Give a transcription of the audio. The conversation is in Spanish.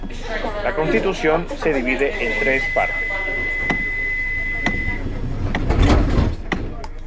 La constitución se divide en tres partes.